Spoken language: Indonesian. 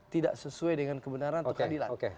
tidak sesuai dengan kebenaran atau keadilan